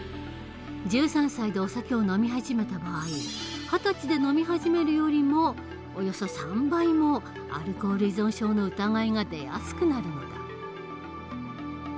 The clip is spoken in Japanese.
１３歳でお酒を飲み始めた場合二十歳で飲み始めるよりもおよそ３倍もアルコール依存症の疑いが出やすくなるのだ。